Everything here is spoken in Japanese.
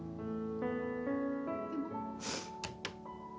でも。